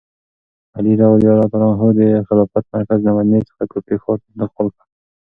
علي رض د خلافت مرکز له مدینې څخه کوفې ښار ته انتقال کړ.